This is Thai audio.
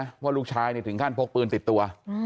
เพราะว่าลูกชายถึงขั้นพกปืนติดตัว